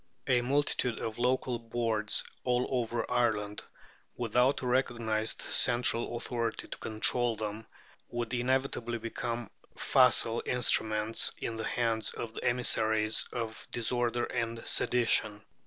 A multitude of local boards all over Ireland, without a recognized central authority to control them, would inevitably become facile instruments in the hands of the emissaries of disorder and sedition.